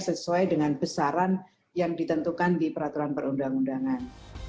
sesuai dengan besaran yang ditentukan di peraturan perundang undangan